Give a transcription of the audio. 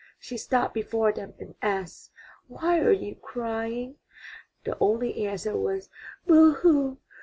She stopped before them and asked, "Why are you crying?" The only answer was, "Boo hoo!